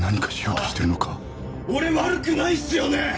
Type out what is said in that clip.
・俺悪くないっすよね！